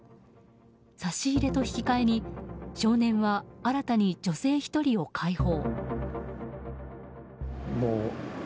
差し入れと引き換えに少年は新たに女性１人を解放。